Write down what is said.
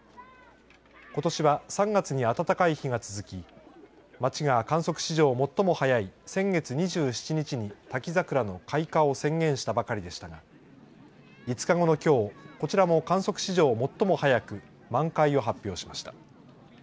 ことしは３月に暖かい日が続き町が観測史上最も早い先月２７日に滝桜の開花を宣言したばかりでしたが５日後のきょうこちらも観測史上最も早く満開を発表しました。